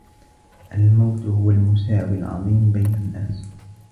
الموت هو المساوي العظيم بين الناس.